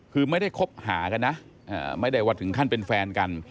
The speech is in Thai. คือไม่ได้คบหากันนะไม่ได้ว่าถึงขั้นเป็นแฟนกัน